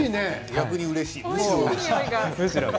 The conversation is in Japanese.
逆にうれしい。